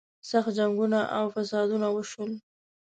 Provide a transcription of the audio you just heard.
سخت جنګونه او فسادونه وشول.